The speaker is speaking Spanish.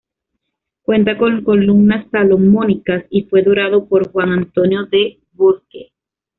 Cuenta con columnas salomónicas y fue dorado por Juan Antonio del Bosque.